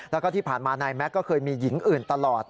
แล้วก็ที่ผ่านมานายแม็กซก็เคยมีหญิงอื่นตลอด